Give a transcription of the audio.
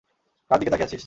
কার দিকে তাকিয়ে আছিস?